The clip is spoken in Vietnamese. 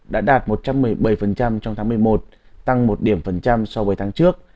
đã đạt một trăm một mươi bảy trong tháng một mươi một tăng một điểm phần trăm so với tháng trước